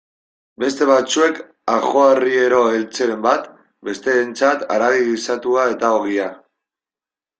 Beste batzuek ajoarriero eltzeren bat, besteentzat haragi gisatua eta ogia.